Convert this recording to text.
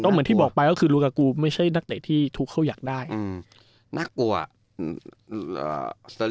เหมือนที่บอกไปก็คือลูกากูไม่ใช่นักเตะที่ทุกเขาอยากได้อืมน่ากลัวอืม